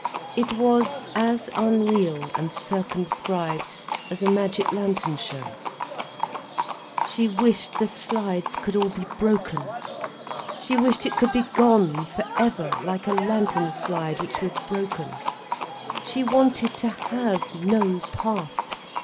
It was as unreal, and circumscribed, as a magic lantern show. She wished the slides could all be broken. She wished it could be gone for ever, like a lantern slide which was broken. She wanted to have no past.